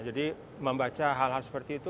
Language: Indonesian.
jadi membaca hal hal seperti itu